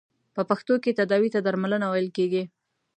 په پښتو کې تداوې ته درملنه ویل کیږی.